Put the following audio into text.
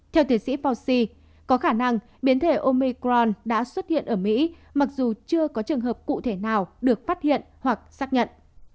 theo tiến sĩ posi có khả năng biến thể omicron đã xuất hiện ở mỹ mặc dù chưa có trường hợp cụ thể nào được phát hiện hoặc xác nhận